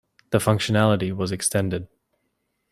The functionality was extended.